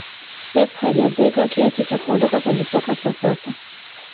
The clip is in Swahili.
pep hajazeeka kiasi cha kuondoka kwenye soka kwa sasa